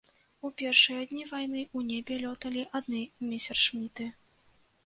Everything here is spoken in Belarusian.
У першыя дні вайны ў небе лёталі адны месершміты!